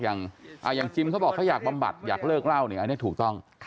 อย่างจิมเขาบอกเขาอยากบำบัดอยากเลิกเล่าเนี่ยอันนี้ถูกต้อง